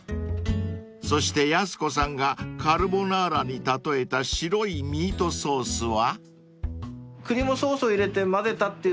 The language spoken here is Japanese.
［そしてやす子さんがカルボナーラに例えた白いミートソースは？］